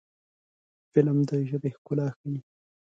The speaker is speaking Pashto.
فلم د ژبې ښکلا ښيي